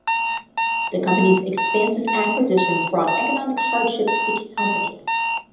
The company's expansive acquisitions brought economic hardship to the company.